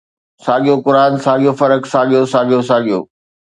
ساڳيو قرآن، ساڳيو فرق، ساڳيو، ساڳيو، ساڳيو